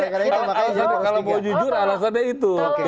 kalau mau jujur alasannya itu